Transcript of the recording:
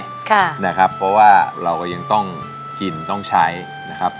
เพราะว่าเราก็ยังต้องกินต้องใช้นะครับ